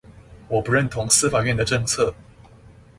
我不認同司法院的政策